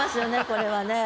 これはね。